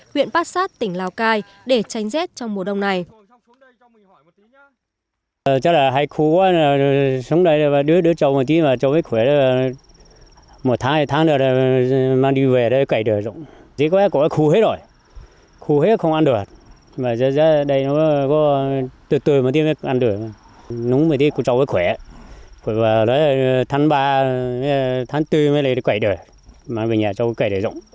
huyện bát sát tỉnh lào cai để tránh rét trong mùa đông này